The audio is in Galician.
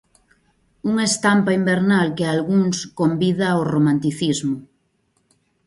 Unha estampa invernal que a algúns convida ao romanticismo.